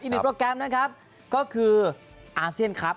หนึ่งโปรแกรมนะครับก็คืออาเซียนครับ